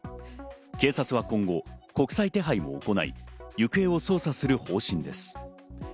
警察は今後、国際手配を行い行方を捜査する方針です。